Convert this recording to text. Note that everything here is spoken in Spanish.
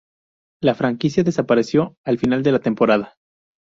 La franquicia desapareció al final de la temporada.